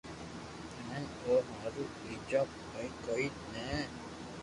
ھين او ھارون ٻيجو ڪوئي ڪوئي ني